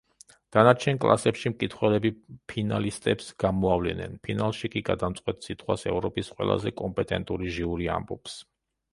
დანარჩენ კლასებში მკითხველები ფინალისტებს გამოავლენენ, ფინალში კი გადამწყვეტ სიტყვას ევროპის ყველაზე კომპეტენტური ჟიური ამბობს.